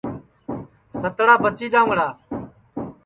ستڑا بچی جاؤنٚگڑا